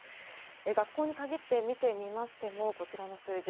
学校に限って見てみましてもこちらの数字。